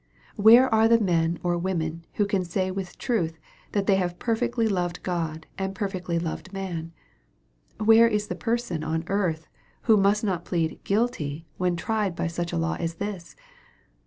Where are the men or women who can say with truth, that they have perfectly loved God and perfectly loved man ? Where is the person on earth who must noc plead "guilty," when tried by such a law as this